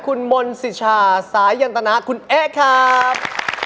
คุณมนศิชาสายยันตนาคุณเอ๊กซ์ครับ